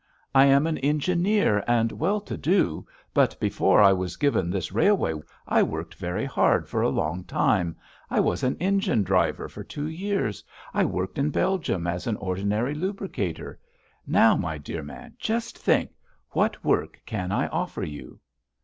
I am an engineer and well to do, but before I was given this railway I worked very hard for a long time. I was an engine driver for two years, I worked in Belgium as an ordinary lubricator. Now, my dear man, just think what work can I offer you?"